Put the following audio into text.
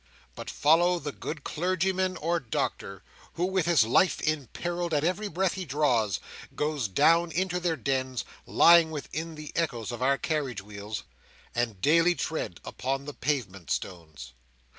But follow the good clergyman or doctor, who, with his life imperilled at every breath he draws, goes down into their dens, lying within the echoes of our carriage wheels and daily tread upon the pavement stones.